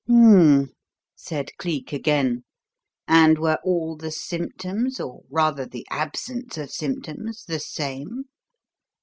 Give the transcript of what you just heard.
"Hm m m!" said Cleek again. "And were all the symptoms or, rather, the absence of symptoms the same?"